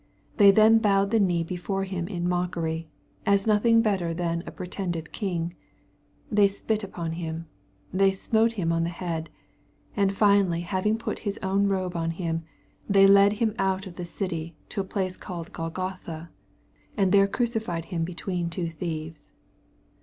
They then bowed the knee before Him in mockery, as nothing better than a pretended king. They spit upon Him. They smote Him on the head. And finally having put His own robe on Him, they led Him out of the city, to a place called Golgotha, and there crucified Him between two thieves.